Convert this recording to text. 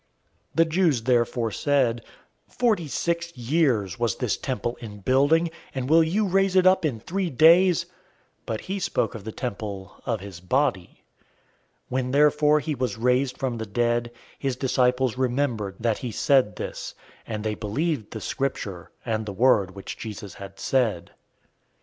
002:020 The Jews therefore said, "Forty six years was this temple in building, and will you raise it up in three days?" 002:021 But he spoke of the temple of his body. 002:022 When therefore he was raised from the dead, his disciples remembered that he said this, and they believed the Scripture, and the word which Jesus had said.